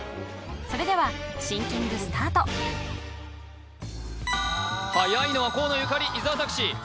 それではシンキングスタートはやいのは河野ゆかり伊沢拓司